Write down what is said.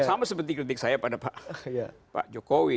sama seperti kritik saya pada pak jokowi